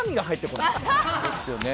そうっすよね。